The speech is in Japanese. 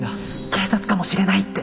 警察かもしれないって